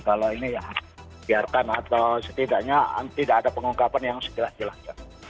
kalau ini ya biarkan atau setidaknya tidak ada pengungkapan yang sejelas jelasnya